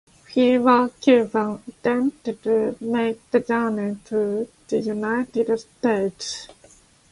Fewer Cubans attempted to make the journey to the United States.